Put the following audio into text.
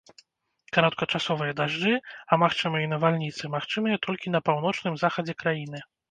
Кароткачасовыя дажджы, а магчыма і навальніцы, магчымыя толькі на паўночным захадзе краіны.